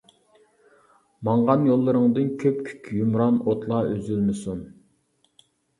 ماڭغان يوللىرىڭدىن كۆپكۆك يۇمران ئوتلار ئۈزۈلمىسۇن!